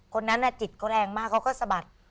คนนั้นจิตเขาแรงมากเขาก็สะบัด